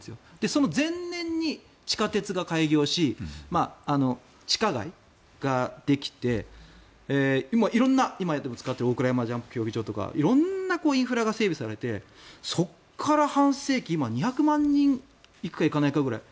その前年に地下鉄が開業し地下街ができて色んな今も使っている大倉山ジャンプ競技場とか色んなインフラが整備されてそこから半世紀今２００万人行くか行かないかくらい。